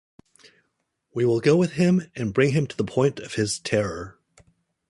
We will go with him and bring him to the point of his terror.